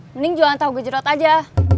mending jualan tahu gejerot aja